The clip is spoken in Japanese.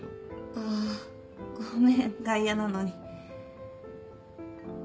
あごめん外野なのに。